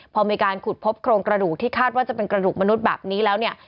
พอมีการขุดพบโครงกระดูกที่คาดว่าจะเป็นกระดูกมนุษย์แบบนี้แล้วเนี่ย